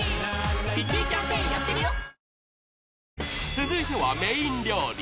［続いてはメイン料理］